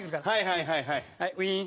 はいはいはいはい。